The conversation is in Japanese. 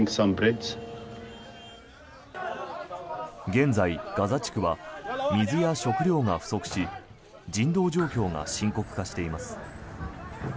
現在、ガザ地区は水や食料が不足し人道状況が深刻化しています。